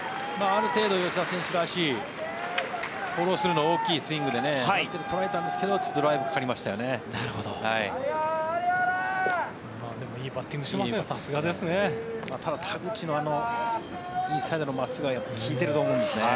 ある程度、吉田選手らしいフォロースルーの大きいスイングで捉えたんですけどドライブがかかりましたね。